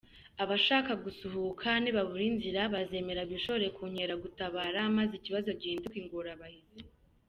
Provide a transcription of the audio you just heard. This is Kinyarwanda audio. Abashaka gusuhuka nibabura inzira bazemera bishore ku nkeragutabara maze ikibazo gihinduke ingorabahizi.